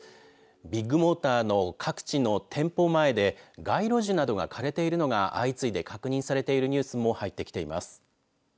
ビッグモーターの各地の店舗前で街路樹などが枯れているのが相次いで確認されているニュースも入ってきています。